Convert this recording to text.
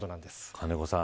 金子さん